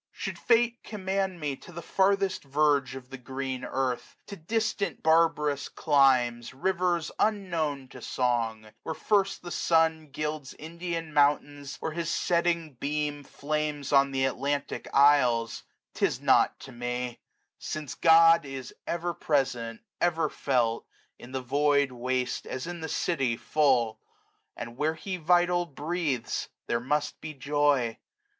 221 Should fate command me to the farthest verge i oo Of the green earth, to distant barbarous climes, Rivers unknown to songj where first the sun Gilds Indian mountains, or his setting beam Flames on th* Atlantic isles; 'tis nought to me: Since God is ever present, ever felt, 105 In the void waste as in the city full; And where He vital breathes there must be joy.